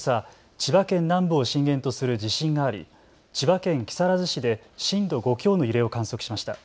千葉県南部を震源とする地震があり千葉県木更津市で震度５強の揺れを観測しました。